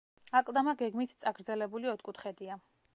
აკლდამა გეგმით წაგრძელებული ოთხკუთხედია.